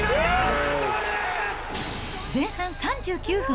前半３９分。